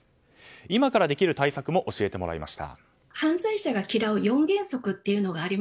今からできる対策も教えてもらいました。